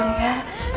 sakit ya dokter